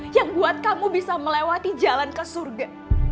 yang buat kamu bisa melewati jalan ke surga